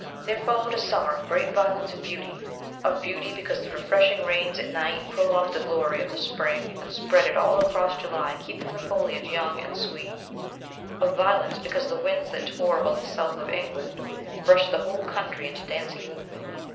There followed a summer of great violence and beauty; of beauty, because the refreshing rains at night prolonged the glory of the spring and spread it all across July, keeping the foliage young and sweet; of violence, because the winds that tore about the south of England brushed the whole country into dancing movement.